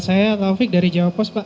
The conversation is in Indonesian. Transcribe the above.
saya taufik dari jawa post pak